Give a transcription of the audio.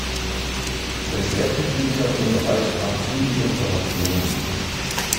Der Schwerpunkt liegt hier auf dem Bereich amphibische Operationen.